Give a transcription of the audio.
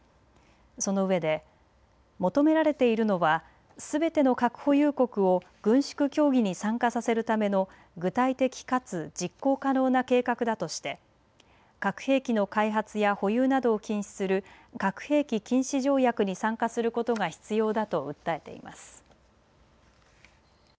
そのうえで、求められているのはすべての核保有国を軍縮協議に参加させるための具体的かつ実行可能な計画だとして核兵器の開発や保有などを禁止する核兵器禁止条約に参加することが必要だと訴えいます。